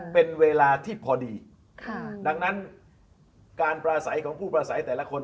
เป็นเวลาที่พอดีค่ะดังนั้นการปราศัยของผู้ประสัยแต่ละคน